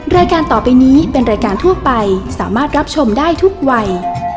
รายการต่อไปนี้เป็นรายการทั่วไปสามารถรับชมได้ทุกวัย